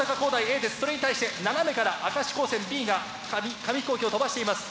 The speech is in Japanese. それに対して斜めから明石高専Ｂが紙ヒコーキを飛ばしています。